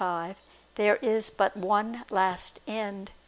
5), there is but one last end.